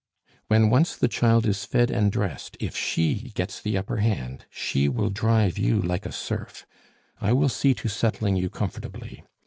When once the child is fed and dressed, if she gets the upper hand, she will drive you like a serf. I will see to settling you comfortably.